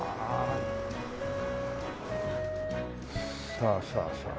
さあさあさあ